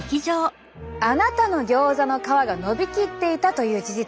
あなたのギョーザの皮がのびきっていたという事実。